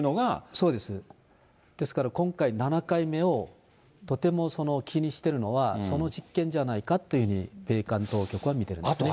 そうです、ですから今回、７回目を、とても気にしてるのは、その実験じゃないかというふうに、米韓当局は見ているんですね。